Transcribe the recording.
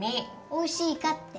おいしいかって。